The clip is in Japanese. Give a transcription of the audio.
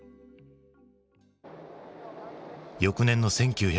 翌年の１９７２年。